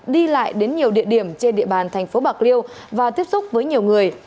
đi lại đến nhiều địa điểm trên địa bàn thành phố bạc liêu và tiếp xúc với nhiều người